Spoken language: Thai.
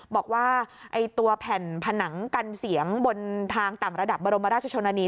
บอกว่าตัวแผ่นผนังกันเสียงบนทางต่างระดับบรมราชชนนานี